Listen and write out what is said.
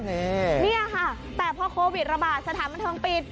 นี่ค่ะแต่พอโควิดระบาดสถานบันเทิงปิด